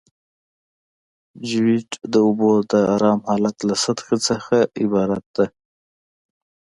جیوئید د اوبو د ارام حالت له سطحې څخه عبارت ده